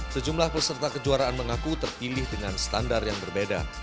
sejumlah peserta kejuaraan mengaku terpilih dengan standar yang berbeda